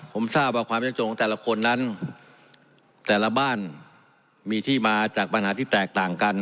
ผมทราบว่าความยากจนของแต่ละคนนั้นแต่ละบ้านมีที่มาจากปัญหาที่แตกต่างกัน